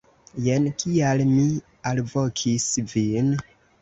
Jen kial mi alvokis vin.